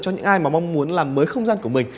cho những ai mà mong muốn làm mới không gian của mình